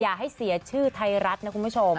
อย่าให้เสียชื่อไทยรัฐนะคุณผู้ชม